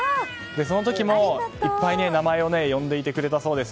その時もいっぱい名前を呼んでいてくれたそうです。